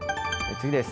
次です。